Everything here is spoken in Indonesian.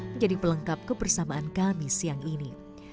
menjadi pelengkap kebersamaan kami siang ini